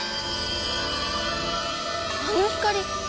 あの光。